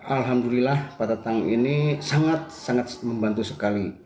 alhamdulillah pak tatang ini sangat sangat membantu sekali